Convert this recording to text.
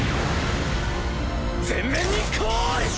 全面にコール！